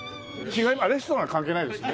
あっレストラン関係ないですね。